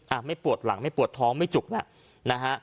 อ่ะไม่ปวดหลังไม่ปวดท้องไม่จุกแล้วนะฮะ